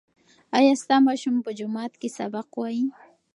ایا ستا ماشوم په جومات کې سبق وایي؟